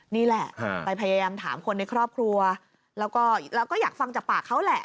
นี่แหละไปพยายามถามคนในครอบครัวแล้วก็เราก็อยากฟังจากปากเขาแหละ